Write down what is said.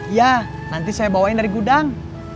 iya nanti saya bawain dari gudang